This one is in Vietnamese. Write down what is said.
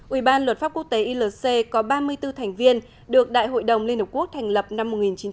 ủy ban luật pháp quốc tế ilc có ba mươi bốn thành viên được đại hội đồng liên hợp quốc thành lập năm một nghìn chín trăm tám mươi hai